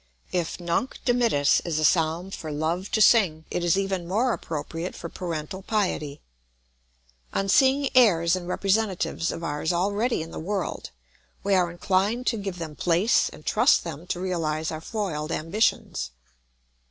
] If Nunc dimittis is a psalm for love to sing, it is even more appropriate for parental piety. On seeing heirs and representatives of ours already in the world, we are inclined to give them place and trust them to realise our foiled ambitions.